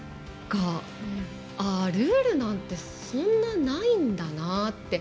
ルールなんてそんなないんだなって。